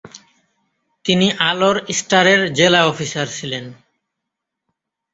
তিনি আলোর স্টারের জেলা অফিসার ছিলেন।